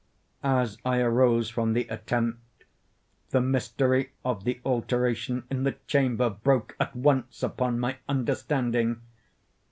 As I arose from the attempt, the mystery of the alteration in the chamber broke at once upon my understanding.